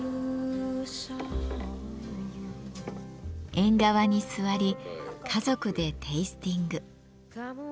縁側に座り家族でテイスティング。